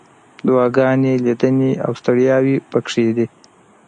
دعاګانې، لیدنې، او ستړیاوې پکې دي.